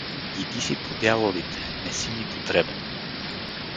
Иди си по дяволите, не си ми потребен!